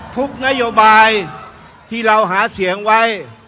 ทุกนโยบายที่เราหาเสียงไว้